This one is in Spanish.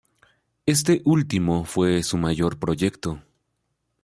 Este último fue su mayor proyecto.